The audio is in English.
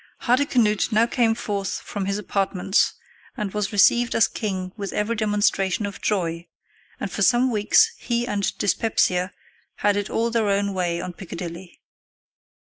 Hardicanute now came forth from his apartments, and was received as king with every demonstration of joy, and for some weeks he and dyspepsia had it all their own way on Piccadilly.